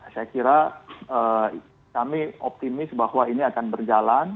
saya kira kami optimis bahwa ini akan berjalan